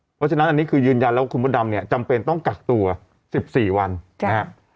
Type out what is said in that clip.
เพราะฉะนั้นอันนี้คือยืนยันแล้วว่าคุณมดดำเนี่ยจำเป็นต้องกักตัว๑๔วันนะครับ